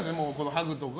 ハグとか。